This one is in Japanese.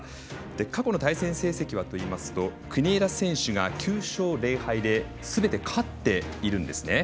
過去の対戦成績はといいますと国枝選手が９勝０敗ですべて勝っているんですね。